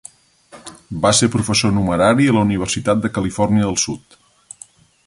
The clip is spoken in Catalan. Va ser professor numerari a la Universitat de Califòrnia del Sud.